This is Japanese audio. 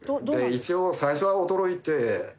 一応最初は驚いて。